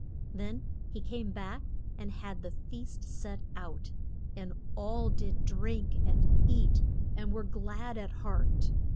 Then he came back and had the feast set out, and all did eat and drink, and were glad at heart.